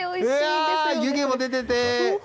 湯気も出てて。